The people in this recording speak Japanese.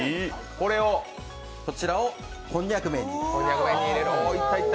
こちらをこんにゃく麺に。